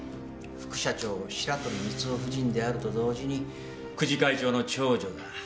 副社長白鳥光雄夫人であると同時に久慈会長の長女だ。